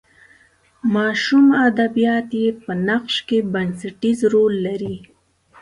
ماشوم ادبیات یې په نقش کې بنسټیز رول لري.